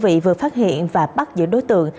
cho biết là đơn vị vừa phát hiện và bắt giữ đối tượng